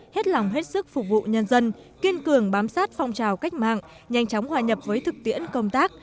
hết lòng hết sức phục vụ nhân dân kiên cường bám sát phong trào cách mạng nhanh chóng hòa nhập với thực tiễn công tác